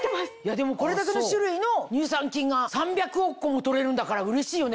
でもこれだけの種類の乳酸菌が３００億個も取れるんだからうれしいよね